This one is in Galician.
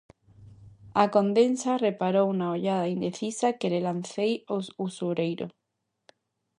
A condesa reparou na ollada indecisa que lle lancei ao usureiro.